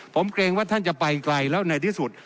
ผมเกรงว่าท่านจะไปไกลแล้วในที่สุด